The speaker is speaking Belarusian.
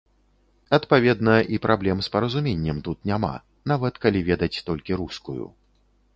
Адпаведна, і праблем з паразуменнем тут няма, нават калі ведаць толькі рускую.